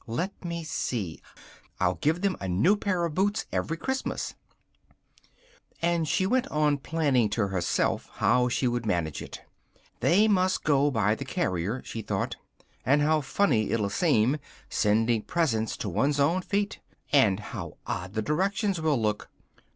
Let me see: I'll give them a new pair of boots every Christmas." And she went on planning to herself how she would manage it "they must go by the carrier," she thought, "and how funny it'll seem, sending presents to one's own feet! And how odd the directions will look!